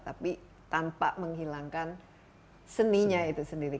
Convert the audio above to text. tapi tanpa menghilangkan seninya itu sendiri